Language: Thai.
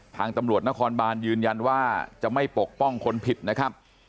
ทางตำรวจนครบานยืนยันว่าจะไม่ปกป้องคนผิดนะครับ